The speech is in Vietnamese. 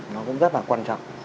nó cũng rất là quan trọng